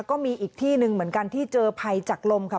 ก็มีอีกที่หนึ่งเหมือนกันที่เจอภัยจากลมค่ะ